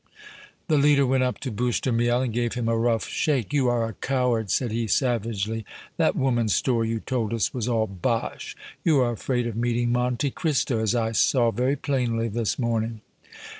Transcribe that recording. The leader went up to Bouche de Miel and gave him a rough shake. "You are a coward!" said he, savagely. "That woman story you told us was all bosh. You are afraid of meeting Monte Cristo, as I saw very plainly this morning!"